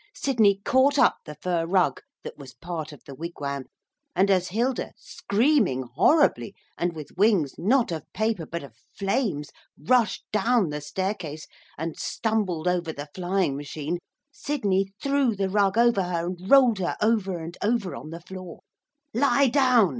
Sidney caught up the fur rug that was part of the wigwam, and as Hilda, screaming horribly, and with wings not of paper but of flames, rushed down the staircase, and stumbled over the flying machine, Sidney threw the rug over her, and rolled her over and over on the floor. 'Lie down!'